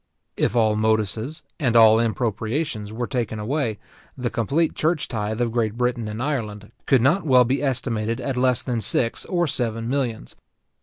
If all moduses and all impropriations were taken away, the complete church tythe of Great Britain and Ireland could not well be estimated at less than six or seven millions.